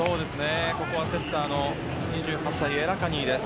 ここはセッターの２８歳エラカニーです。